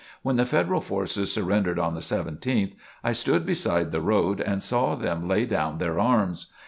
When the Federal forces surrendered on the 17th, I stood beside the road and saw them lay down their arms.